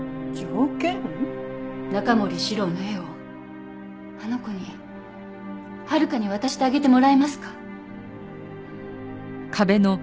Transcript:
中森司郎の絵をあの子に温香に渡してあげてもらえますか？